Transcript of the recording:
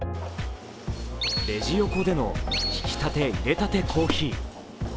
レジ横でのひきたて・いれたてコーヒー。